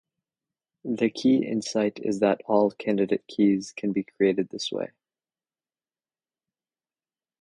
The key insight is that all candidate keys can be created this way.